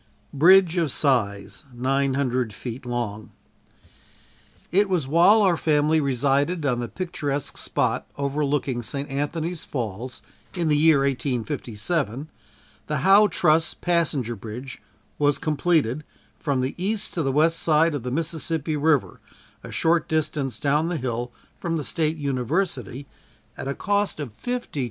Bridge of Size (900 feet long.) It was while our family resided on the picturesque spot overlooking St. Anthony's Falls in the year 1857, the "Howe Truss" passenger bridge was completed from the east to the west side of the Mississippi river, a short distance down the hill from the State University at a cost of $52,000.